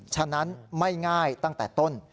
ฉะนั้นไม่ง่ายตั้งแต่ต้น